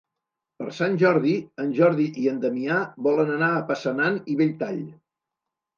Per Sant Jordi en Jordi i en Damià volen anar a Passanant i Belltall.